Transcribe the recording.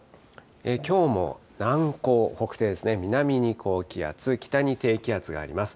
きょうも南高北低ですね、南に高気圧、北に低気圧があります。